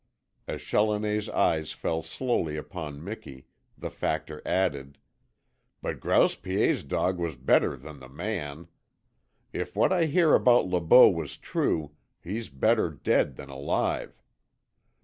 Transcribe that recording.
As Challoner's eyes fell slowly upon Miki, the Factor added: "But Grouse Piet's dog was better than the man. If what I hear about Le Beau was true he's better dead than alive.